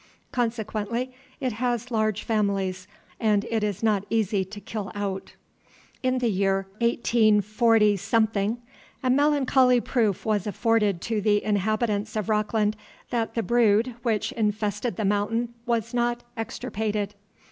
Consequently it has large families, and is not easy to kill out. In the year 184 , a melancholy proof was afforded to the inhabitants of Rockland, that the brood which infested The Mountain was not extirpated.